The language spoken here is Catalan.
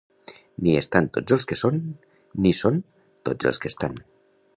Ni estan tots els que són, ni són tots els que estan.